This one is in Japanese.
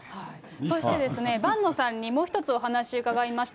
そして、伴野さんにもう１つお話伺いました。